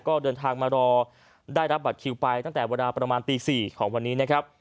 ก็เดินทางมารอได้รับบัตรคิวไปตั้งแต่เวลาประมาณตี๔ของวันนี้นะครับ